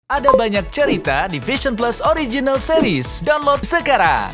ada banyak cerita di vision plus original series download sekarang